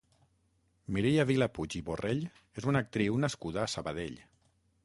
Mireia Vilapuig i Borrell és una actriu nascuda a Sabadell.